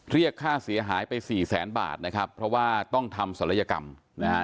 เรียกค่าเสียหายไปสี่แสนบาทนะครับเพราะว่าต้องทำศัลยกรรมนะฮะ